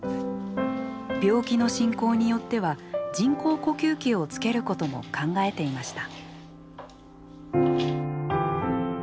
病気の進行によっては人工呼吸器をつけることも考えていました。